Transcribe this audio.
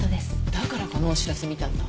だからこのお知らせ見たんだ。